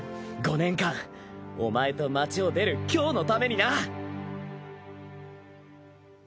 ５年間お前と町を出る今日のためにな！